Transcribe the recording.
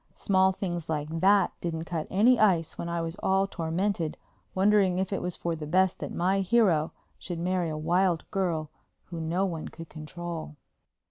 Small things like that didn't cut any ice when I was all tormented wondering if it was for the best that my hero should marry a wild girl who no one could control.